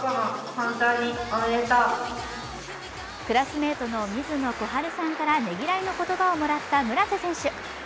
クラスメートの水野小暖さんからねぎらいの言葉をもらった村瀬選手。